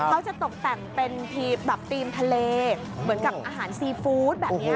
เขาจะตกแต่งเป็นธีมทะเลเหมือนกับอาหารซีฟู้ดแบบนี้ครับคุณ